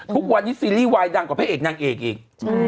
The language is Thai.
ทุกวันนี้ซีรีส์วายดังกว่าพระเอกนางเอกอีก